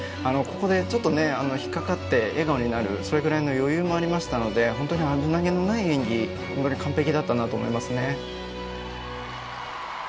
ここでちょっと引っかかって笑顔になるそれぐらいの余裕がありましたので本当に危なげのない演技完璧だったなと思います。